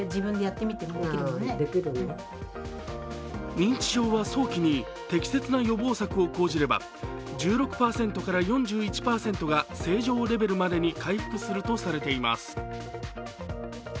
認知症は早期に適切な予防策を講じれば１６４１％が正常レベルまでに回復するとされています。